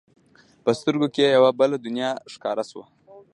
په سترګو کې یې یوه بله دنیا ښکاره شوه.